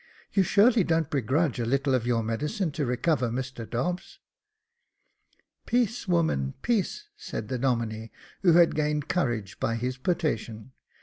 You surely don't begrudge a little of your medicine to recover Mr Dobbs ?"" Peace, woman, peace," said the Domine, who had gained courage by his potation.